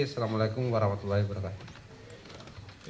assalamualaikum warahmatullahi wabarakatuh